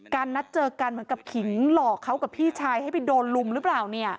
นัดเจอกันเหมือนกับขิงหลอกเขากับพี่ชายให้ไปโดนลุมหรือเปล่าเนี่ย